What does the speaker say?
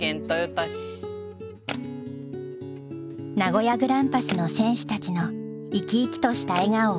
名古屋グランパスの選手たちの生き生きとした笑顔を捉えた写真。